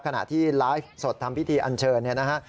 ขณะที่ไลฟ์สดทำพิธีอันเชิญเนี่ยนะฮะ